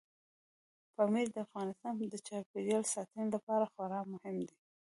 پامیر د افغانستان د چاپیریال ساتنې لپاره خورا مهم دی.